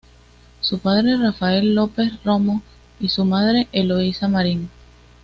Su padre Rafael López Romo y su madre Eloísa Marín.